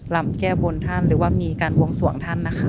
ลำแก้บนท่านหรือว่ามีการวงสวงท่านนะคะ